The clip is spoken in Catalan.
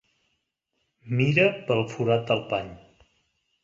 Mira pel forat del pany.